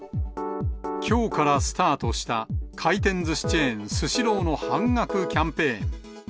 きょうからスタートした回転ずしチェーン、スシローの半額キャンペーン。